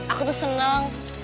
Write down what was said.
aku tuh seneng